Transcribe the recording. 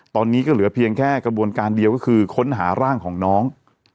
ตอนนี้ก็เหลือเพียงแค่กระบวนการเดียวก็คือค้นหาร่างของน้อง